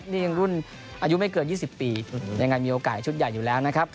นี่ยังรุ่นอายุไม่เกิน๒๐ปียังไงมีโอกาสชุดใหญ่อยู่แล้วนะครับ